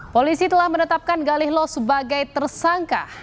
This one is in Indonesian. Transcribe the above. polisi telah menetapkan galih lo sebagai tersangka